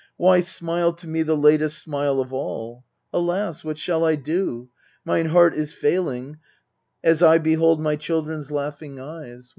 Why smile to me the latest smile of all? Alas! what shall I do? Mine heart is failing \ I behold my children's laughing eyes!